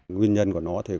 nguyên nhân của nó thì